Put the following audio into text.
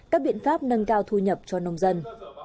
các biện pháp nâng cao thu nhập cho nông dân